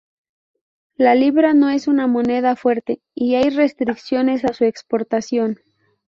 La libra no es una moneda fuerte, y hay restricciones a su exportación.